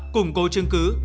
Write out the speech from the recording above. củng cố chứng cứ